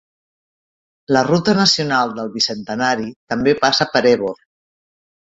La Ruta Nacional del Bicentenari també passa per Ebor.